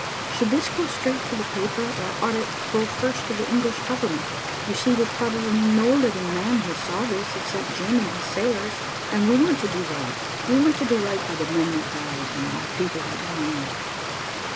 Should this go straight to the paper, or ought it to go first to the English government? You see there's probably no living man who saw this except Jim and his sailors, and we want to do right. We want to do right by the men that died, and the people that remain."